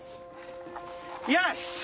よし！